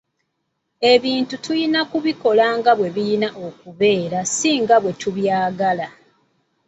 Ebintu tuyina kubikola nga bwe biyina kubeera si nga bwe tubyagala.